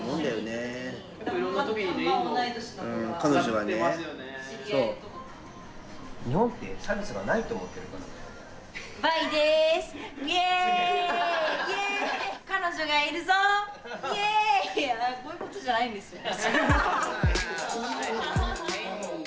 あっこういうことじゃないんですよね。